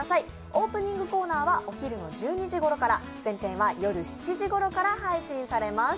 オープニングコーナーはお昼の１２時ごろから、全編は夜７時ごろから配信されます。